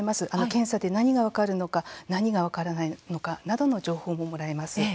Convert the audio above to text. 検査で何が分かるのか何が分からないのかなどの情報ももらえます。